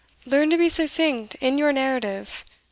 Learn to be succinct in your narrative.